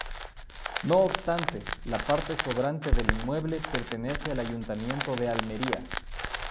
No obstante, la parte sobrante del inmueble pertenece al Ayuntamiento de Almería.